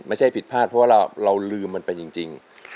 ไม่ใช่ผิดพลาดเพราะว่าเราลืมมันไปจริง